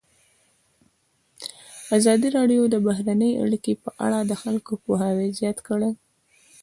ازادي راډیو د بهرنۍ اړیکې په اړه د خلکو پوهاوی زیات کړی.